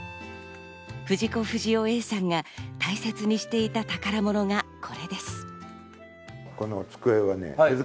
藤子不二雄Ａさんが大切にしていた宝物がこれです。